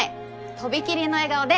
とびきりの笑顔で。